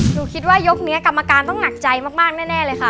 คิดว่ายกนี้กรรมการต้องหนักใจมากแน่เลยค่ะ